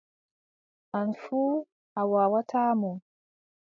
An fuu a waawataa mo.